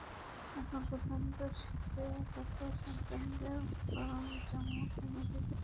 এখন প্রচণ্ড শীতে কাতর সন্তানদের গরম জামাও কিনে দিতে পারছেন না।